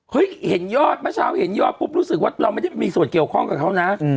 เห็นยอดเมื่อเช้าเห็นยอดปุ๊บรู้สึกว่าเราไม่ได้มีส่วนเกี่ยวข้องกับเขานะ